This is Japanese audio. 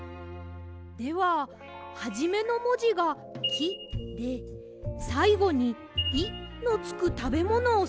でははじめのもじが「き」でさいごに「い」のつくたべものをさがせばいいわけですね。